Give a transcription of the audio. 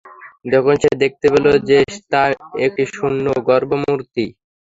যখন সে দেখতে পেল যে, তা একটি শূন্য গর্ভ, মূর্তি।